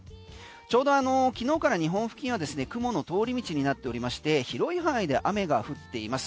ちょうど昨日から日本付近は雲の通り道になっており広い範囲で雨が降っています。